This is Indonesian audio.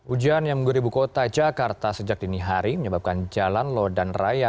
ujian yang mengguri buku kota jakarta sejak dini hari menyebabkan jalan lodan raya